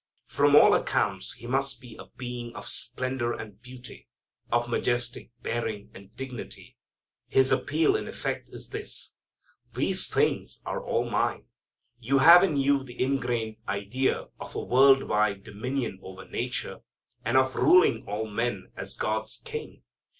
From all accounts he must be a being of splendor and beauty, of majestic bearing, and dignity. His appeal in effect is this: These things are all mine. You have in you the ingrained idea of a world wide dominion over nature, and of ruling all men as God's King.